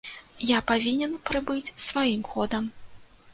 Я павінен прыбыць сваім ходам.